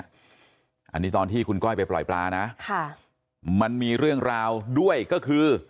อันนี้ตอนที่คุณก้อยไปปล่อยปลานะค่ะมันมีเรื่องราวด้วยก็คือ